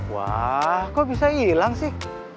wah kok bisa hilang sih